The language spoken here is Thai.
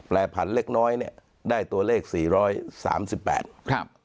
แปลผันเล็กน้อยเนี่ยได้ตัวเลข๔๓๘